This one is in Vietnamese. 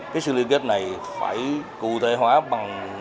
cái sự liên kết này phải cụ thể hóa bằng